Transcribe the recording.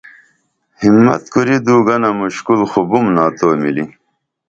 ہمت کُری دو گنہ مُشکُل خو بُمنا تو ملی